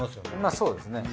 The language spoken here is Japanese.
そうですね。